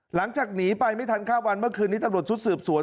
หลังจากหนีไปไม่ทันข้ามวันเมื่อคืนนี้ตำรวจชุดสืบสวน